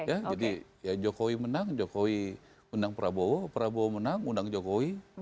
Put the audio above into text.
jadi ya jokowi menang jokowi undang prabowo prabowo menang undang jokowi